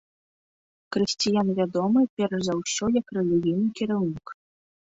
Крысціян вядомы, перш за ўсё, як рэлігійны кіраўнік.